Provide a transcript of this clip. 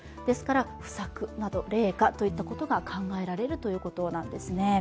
ですから不作や冷夏といったことが考えられるということですね。